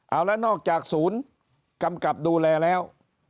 เอาแล้วนอกจากศูนย์กำกับดูแลแล้ว